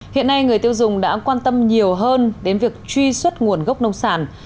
hiện nay người tiêu dùng đã quan tâm nhiều hơn đến việc truy xuất nguồn gốc nông sản